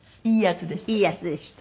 いいヤツでした。